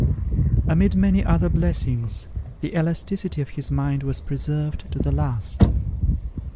Amid many other blessings, the elasticity of his mind was preserved to the last.